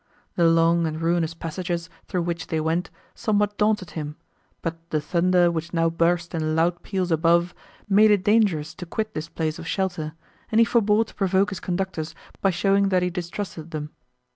The long and ruinous passages, through which they went, somewhat daunted him, but the thunder, which now burst in loud peals above, made it dangerous to quit this place of shelter, and he forbore to provoke his conductors by showing that he distrusted them.